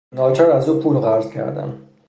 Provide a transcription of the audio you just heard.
ناچار از او پول قرض کردن